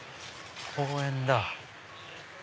公園だ。